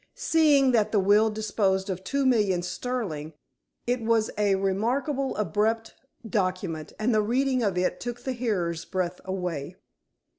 Seeing that the will disposed of two millions sterling, it was a remarkably abrupt document, and the reading of it took the hearers' breath away.